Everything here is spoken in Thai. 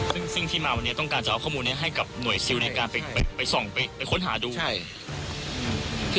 ซึ่งที่มาวันนี้ต้องการจะเอาข้อมูลนี้ให้กับหน่วยซิลในการไปส่องไปค้นหาดูใช่